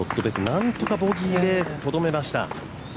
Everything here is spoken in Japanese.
なんとか、ボギーでとどめました。